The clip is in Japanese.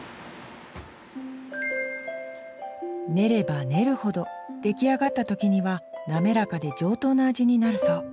練れば練るほど出来上がった時には滑らかで上等な味になるそう。